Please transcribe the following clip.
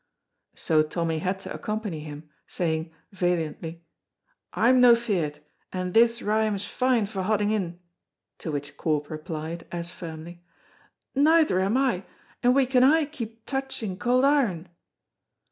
So Tommy had to accompany him, saying, valiantly, "I'm no feared, and this rime is fine for hodding in," to which Corp replied, as firmly, "Neither am I, and we can aye keep touching cauld iron."